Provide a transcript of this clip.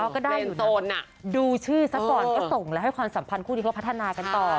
ก็ได้ดูชื่อซะก่อนก็ส่งแล้วให้ความสัมพันธ์คู่นี้เขาพัฒนากันต่อ